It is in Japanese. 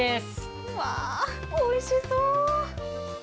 うわおいしそう！